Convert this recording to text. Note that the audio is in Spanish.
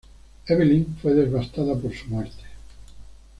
Evelyn fue devastada por su muerte.